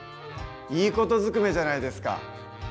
いい事ずくめじゃないですか！